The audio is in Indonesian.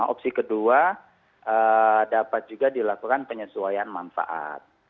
opsi kedua dapat juga dilakukan penyesuaian manfaat